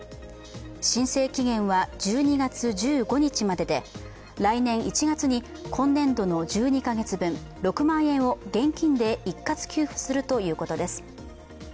申請期限は１２月１５日までで来年１月に、今年度の１２か月分、６万円を現金で一括給付するということです。